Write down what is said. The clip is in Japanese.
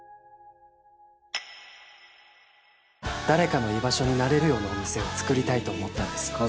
誰かの居場所になれるような店をつくりたいと思ったんです。